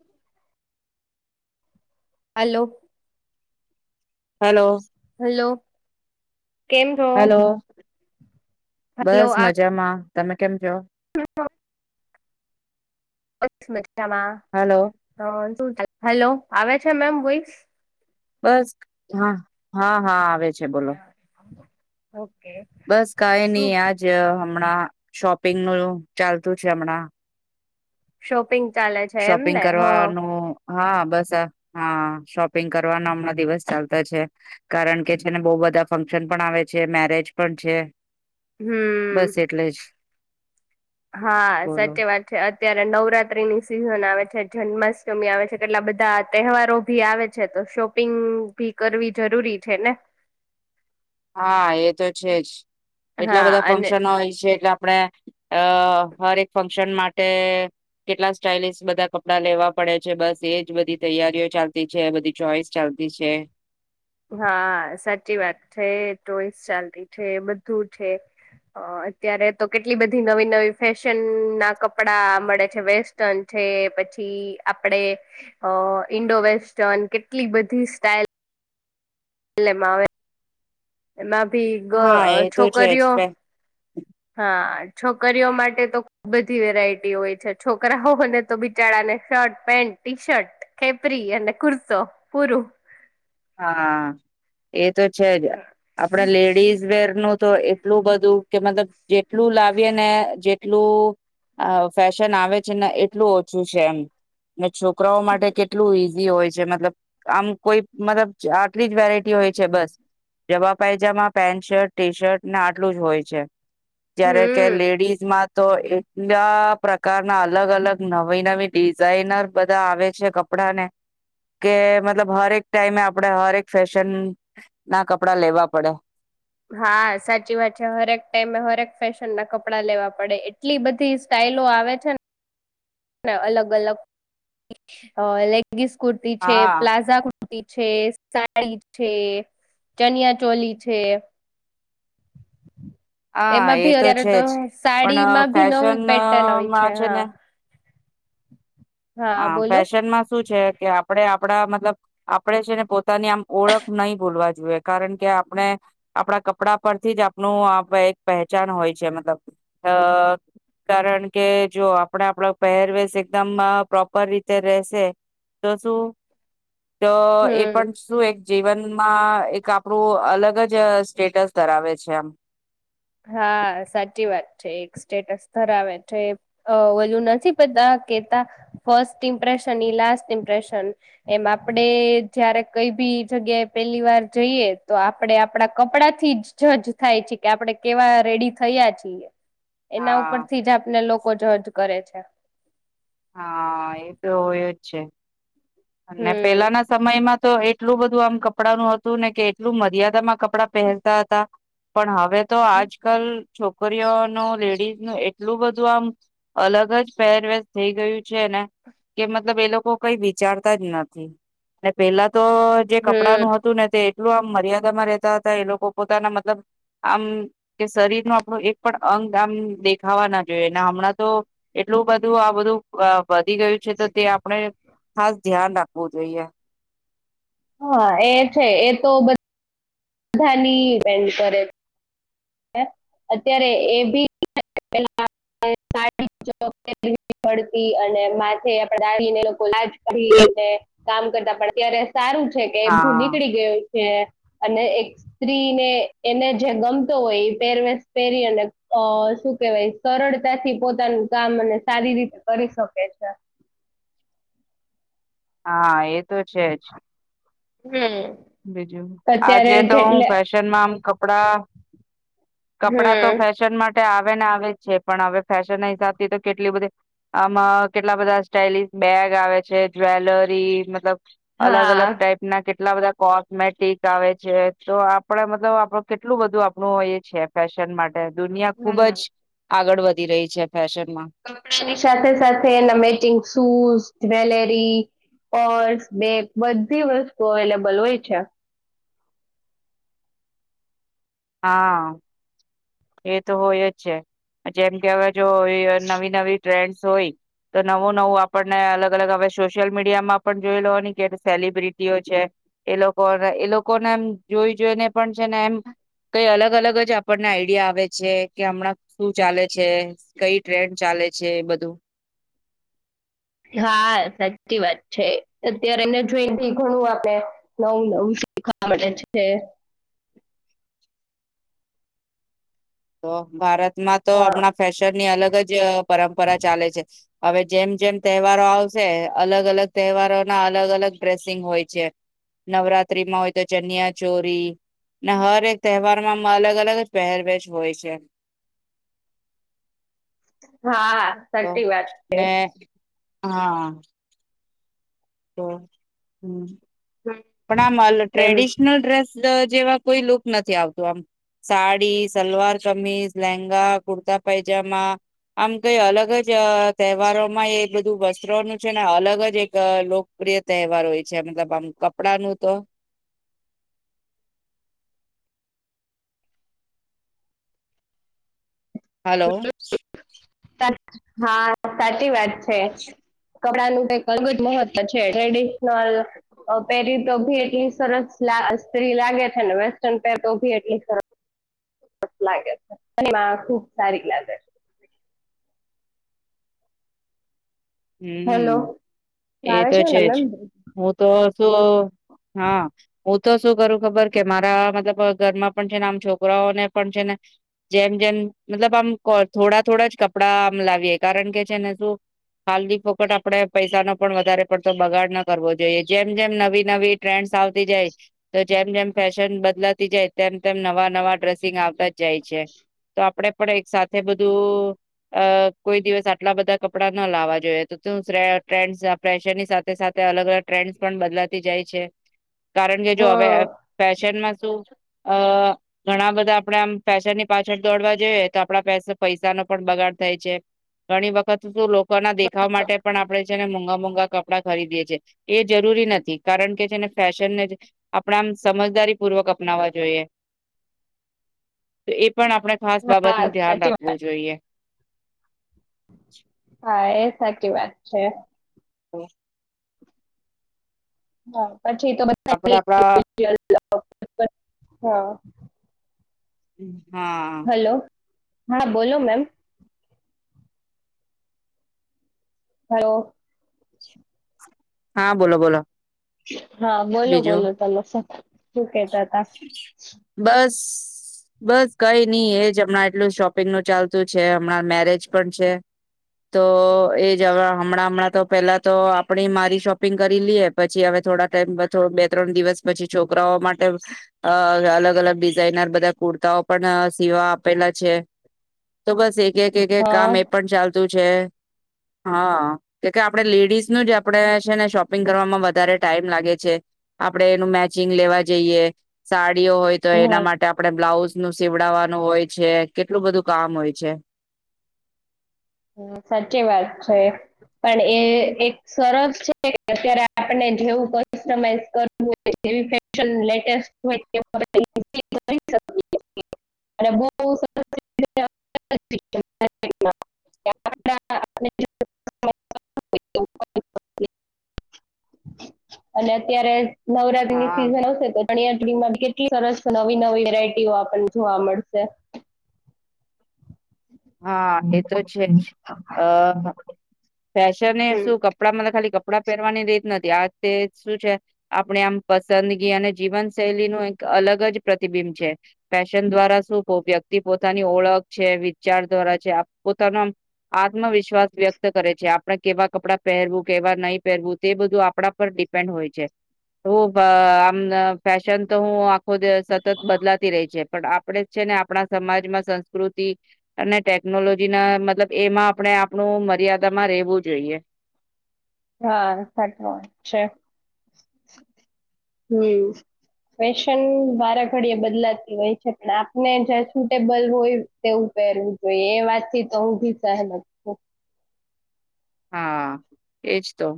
હ hello hello hello કેમ છો હેલો બસ મજામાં તમે કેમ છો હ [inaudible] માં હલો હ હેલો આવે છે મેમ વોઈસ બસ હા હા હા આવે છે બોલો હા ઓકે બસ કઈ નહી શું આજ હમણાં શોપિંગ નું ચાલતું છે હમણાં શોપિંગ ચાલે છે શોપિંગ એમને હ કરવાનું હા બસ હા શોપિંગ કરવાના હમણાં દિવસ ચાલતા છે કારણ કે છેને બહ બધા ફંક્શન પણ આવે છે મેરેજ પણ છે બસ હમ એટલે જ હા બોલો સાચી વાત છે અત અત્યારે નવરાત્રીની સિઝન આવે છે જન્માષ્ટમી આવે છે કેટલા બધા તહેવારો ભી આવે છે તો શોપિંગ ભી કરવી જરૂરી છે ને હા એ તો છેજ એટલા હા બધા અને ફંક્શનો હોય છે એટલે આપડે અ હરક ફંક્શન માટે કેટલા સ્ટઇલસ બધા કપડા લેવા પડે છે બસ એજ બધી તૈયારીઓ ચાલતી છે બધી ચોઈસ ચાલતી છે હા સાચી વાત છે ચોઈસ ચાલ ર છે બધું છે અત્યારે તો કેટલી બધી નવી નવી ફેશન ના કપડાં મળે છે વેસ્ટર્ન છે પછી આપડે ઈન્ડો વેસ્ટર્ન કેટલી બધી સ્ટઇલ એલે મા આવે એ હા એ તો છે છોકરીઓ જ. હા છોકરીઓ માટે તો ખ બધી વેરાયટી હોય છ. છોકરાઓને તો બિચારને શર્ટ પેન્ટ ટી શર્ટ ખેપરી અને કુર્તો પૂરું. હા એ તો છે. જ આપણે લેડીઝ વેર ન તો એટલું બધું કે મતલબ જેટલું લાવીએ ને જેટલું ફેશન આવે છે. ને એટલું ઓછું છે. એમ અને છોકરાઓ માટે કેટલું ઈ હોય છે. મતલબ આમ કોઈ મતલબ આટલી જ વેરાયટી હોય છે. બસ જવા pyjama pant shirt T shirt ને આટલું જ હોય છે. જયારે કે હમ લેડીઝ માં તો એટલા પ્રકારના અલગ અલગ નવી નવી ડિઝાઇનર બધા આવે છે. કપડાને કે મતલબ હરેક ટાઈમે આપડે હરેક ફેશન ના કપડા લેવા પડે. હા, સાચી વાત છે. હરેક ટાઈમે હરેક ફેશન ના કપડાં લેવા પડે એટલી બધી સ્ટાઈલો આવે છે. ને અલગ અલગ લ લગીસ કુર્તી છે. હા પ્લાઝા છે. સાડી છે, ચનિયા ચોલી છે. હા એમાં એ ભી અત્યારે છે તો જ પણ સાડીમાં ભી નવી પેટર્ન આવી છે. ફેશનમાં હા, હ હા બોલો ફેશનમાં શું છે, કે આપડે કડા મતલબ આપણેે છે. ને પોતાની આમ ઓળખ નહી ભૂલવા જોઈએ કારણ કે, આપણે આપણા કપડા પરથી જ આપણું એક પહેચાન હોય છે. મતલબ અ કારણ કે, જો આપણે આપડ પહેરવેશ એકદમ પ્રોપર રીતે રહેશે તો શું તો એ હમ પણ શું એક જીવનમાં એક આપણું અલગ જ સ્ટેટસ ધરાવે છે. આમ, હા સાચી વાત છે. એક સ્ટેટસ ધરાવે છે. ઓલું નથી પતા કેતા ફસ્ટ ઇમ્પ્રેશન લાસ્ટ ઇમ્પ્રેશન એમ આપડે જયારે કઈ બી જગ્યાએ પેલી વાર જઈએ, તો આપડે આપડા કપડા થી જ જજ થાય છે. કે આપડ કેવા રેડી થયા છીએ. એના હા ઉપરથી જ આપને લોકો જજ કરે છે. ચા- [inaudible] હા એ તો હોય જ છે. અને હમ પેલાના સમયમાં તો એટલું બધું આમ કપડા નું હતું, ને કે એટલું મર્યાદામાં ક કપડા પહેનરતા હતા. પણ હા હવે તો આજ કલ છોક છોકરીઓ ન લેડીઝ ન એટલું બધું આમ, અલગ જ પહેરવેશ થઈ ગયું છે. ને કે મતલબ એ લોકો કઈ વિચારતા જ નથી પેલા તો જે કપડા હમ નું હતું. ને તે ટલું આમ, મર્યાદામાં રહેતા હતા. એ લોકો પોતાના મતલબ આમ કે શરીર ન આપણું એક પણ અંગ આમ દેખાવા ના જોઈએ. હમણાં તો, એટલું બધું આ બધું વધી ગયું છે. તો તે આપણે હા ધ્યાન આપ ખવું જઈએ. હા એ છે એ તો બધ ધાની વેન્ડ કરે. અત્યારે એ ભી [unintelligible] માથે દા [unintelligible] કરી કામ કરતા ત્યારે સારું છે કે એ બધું હા નીકળી ગયું. અને એક સ્ત્રીને એને જે ગમ હોય પહેરવેશ પહેરી અને અ શું કેવાય સરળતા થી પોતાનું કામ અને સારી રીતે કરી શકે છે. હા એ. તો છે જ. હમ બીજું અત્યારે આજે તો હું જેટલે ફેશન માં આમ ક પડા. કપડા તો હમ ફેશન મા ટે આવે ને આવે જ છે પણ હવે ફેશન ના હિસાબથી તો કેટલી બધી આમ કેટલા બધા સ્ટાઇલશ બેગ આવે છે જ્વેલરી મતલબ અલગ અલગ હા ટાઈપ ના કે ટલા બધા. કોસ્મેટિક આવે છે તો આપડે મતલબ આપડ કેટલું બધું આપણું એ છે ફેશન મા ટે દુનિયા ખુબ જ આગળ વધી રહી છે. ફેશનમાં. કપડા ની સાથે સાથે એના મેચિંગ શૂઝ જ્વેલેરી પોર્સ બે બધી વસ્તુ અવેલેબલ હોય છે. હા એ તો હોય જ છે જેમ કે હવે જો નવી નવી ટ્રેન્ડસ હોય તો નવું નવું આપણને અલગ અલગ હવે સોશિયલ મીડિયામાં પણ જોઈ લવાની કે સેલિબ્રિટીઓ છે એ લોકોને એ લોકોને એમ જોઈ જોઈને પણ છે ને એમ કઈ અલગ અલગ જ આપણને આઈડિયા આવે છે કે હમણાં શું ચાલે છે કઈ ટ્રેન્ડ ચાલે છે એ બધું હા સાચી વાત છે અત્યારેને જોઈ ઘણું આપડ નવું નવું શીખવા મળે છે. તો ભારત માં તો હા હમણાં ફેશન ની અલગ ગ જ પરંપરા ચાલે છે હવે જેમ જેમ તહેવારો આવશે અલગ અલગ તહેવારો ના અલગ અલગ ડ્રેસિંગ હોય છે નવરાત્રીમાં હોય તો ચનિયા ચોરી ને હરેક તહેવાર માં અલગ અલગ જ પહેર હોય છે. હા તો સાચી વાત છે. ને હા. તો હમ. હમ, પણ આમલ એમ ટ્રેડિશનલ ડ્રેસ લ જેવા કોઈ લુક નથી આવતું આમ સાડી સલવાર કમીઝ લેંગા કુર્તા પૈજામા આમ કઈ અલગ જ તહેવારો માં એ બધું વસ્ત્રોનું છે ને અલગ જ એક લુક પ્રિય તહેવાર હોય છે મતલબ આમ કપડાનું તો. હલો. હા સાચી વાત છે. છે. કપડાનું કઈક અલગ જ મહત્વ છે ટ્રેડિ ના પેરી તો ભી એટલી સરસ સ્ત્રી લાગે છે ને વેસ્ટર્ન પેરેતો ભી એટલી સરસ લાગે છે અને [inaudible] ખુબ સારી લાગે છે હેલો હમ એ આવે તો છે ને મેમ જ હું તો શું હા હું તો શું કરું ખબર કે મારા મતલબ ઘરમાં પણ છે ને આમ છોકરાઓને પણ છે ને જેમ જેમ મતલબ આમ થોડા થોડા જ કપડાં આમ લાવીએ કારણ કે છે ને શું ખાલી ફોકત આપણે પૈસાનો પણ વધારે પડતો બગાડ ન કરવો જોઈએ જેમ જેમ નવી નવી ટ્રેન્ડસ આવતી [inaudible] જાય છે તો જેમ જેમ ફેશન બદલાતી જાય તેમ તેમ નવા નવા ડ્રેસિંગ જાય છે તો આપડે આપડે એક સાથે બધું અ કોઈ દિવસ આટલા બધા કપડા ન લાવવા જોઈએ તો [unintelligible] ટ્રેન્ડસ પ્રેશરની સાથે સાથે અલગ અલગ ટ્રેન્ડસ પણ બદલાતી જાય છે. કારણ કે જો હવે હા ફેશન માં શું અ ઘણા બધા આપડે આમ ફેશનની પાછળ દોડવા જઈએ તો આપડા પૈસ પૈસાનો પણ બગાડ થાય છે ઘણી વખત શું લોકો કરના દેખાવ માટે પણ આપણે છેને મોૂઘા મોઘા કપડા ખરીદીએ છેએ એ જરૂરી નથી કારણ કે જેને ફેશનને આપણા આમ સમજદારી પૂર્વક અપનાવા જોઈએ તો એ પણ આપણે ખાસ હા બાબતનું ધ્યાન સાચી વાત રાખવું જોઈએ હા એ સાચી વાત છે હ [inaudible] પછી તો આપણે આપણા [inaudible] [inaudible] હા હમ હલો હા બોલો મેમ હલો હા બોલો બોલો હા બોલો બીજું બોલો [inaudible] [inaudible] બસ બસ કઈ નહી એજ હમણાં એટલું શોપિંગ નું ચાલતું છે હમણાં મેરેજ પણ છે તો એજ અવે હમણાં હમણાં તો પેલા તો આપણી મારી શોપિંગ કરી લઈએ પછી હવે થોડા ટાઈમ [unintelligible] બે ત્રણ દિવસ પછી છોકરાઓ માટે અ અલગ અલગ ડિઝાઇનર બધા કુર્તાઓ પણ સિવવા આપેલા છે તો બસ એક [unintelligible] હા કામ એ પણ ચાલ [unintelligible] હા કે કે આપણે લેડીઝ ન જ આપણેે છે ને શોપિંગ કરવામાં વધારે ટાઈમ લાગે છે આપડે એનું મેચિંગ લેવા જઈએ સાડ ડિઓ હોય તો એના હા માટે આપણે બ્લાઉઝ નુ સીવડવાનુ હોય છે, કેટલું બધું કામ હોય છે, સાચી વાત છે, પણ એ એક સરસ છે, કે અત્યારે આપણને જેવું કસ્ટમાઇઝિસ કરવું હોય, તેવી ફેશનનું લેટેસ્ટ હોય, તેવું કરી શકીએ છે, [unintelligible] [inaudible] અને અત્યારે. નવરાત્રિની હા સિઝન આવશે, તો ચણિયા. કેટલી સરસ, નવી, નવી વેરાયટીઓ આપને, જોવા મળશે હા, એ તો, છેજ આ. ફેશનને, હમ શું કપડાં મ ખાલી. કપડા પહેરવાની રીત નથી, આ તે શું છે, આપણે આમ પસંદગી અને જીવન શૈલીનુ એક અલગ જ પ્રતિબિંબ છે, ફેશન દ્વારા શું વ્યક્તિ પોતાની ઓળખ છે. વિચાર દ્વારા છે, પોતાનો આત્મવિશ્વાસ વ્યક્ત કરે છે, આપણે કેવા કપડા પહેરવું કેવા નહીં, પહેરવું તે બધું આપણા પર ડિપેન્ડ હોય છે, તો આમ ફેશન તો હું આખો સતત બદલાતી રહી છે, પણ આપણેે છેને આપણા સમાજમાં સંસ્કૃતિ અને ટેકનોલોજીના મતલબ, એમાં આપણે આપણું મર્યાદામાં, રહેેવું જોઈએ. હા, સાચ વાત છે. હમ, ફેશન વારે ઘડી બદલાતી હોય છે, પણ આપને જં સુટેબલ હોય, તેવું પહેરવું જોઈએ એ વાતથી, તો હ ભી સહમત છું. હા, એજ તો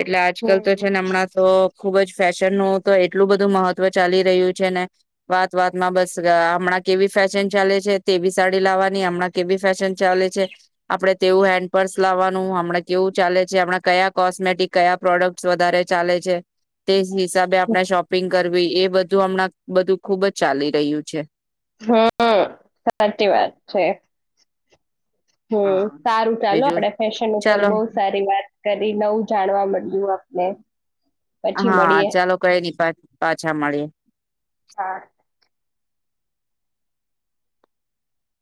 એટલે આજકાલ તો હમ છેને, હમણાં તો ખુબજ ફેશનનુંું તો એટલું બધું મહત્વ ચાલી રહ્યું છેને, વાત વાતમાં બસ હમણાં કેવી ફેશન ચાલે છે, તેવી સાડી લાવવાની હમણાં કેવી ફેશન ચાલે છે, આપડે તેવું હેન્ડ પર્સ લાવવાનું કેવું ચાલે છે, આપણા કયા કોસ્મેટિક કયા પ્રોડક્ટ વધારે ચાલે છે, તે હિસાબે, આપણા શોપિંગ કરવ. એ બધું હમણાં, બધું ખુબજ ચાલી રહ્યું છે. હા, સાચી વાત છે. હમ, હા સારું ચાલો બીજું આપડે ફેશન, ઉપર ચાલો બહુ સારી વાત. કરી, નવું જાણવા મળ્યું આપને પછી હા, મળીએ ચાલો કઈ નઈ, પાછા મળી- હા.